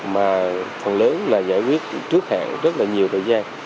mà phần lớn là giải quyết trước hạn rất là nhiều thời gian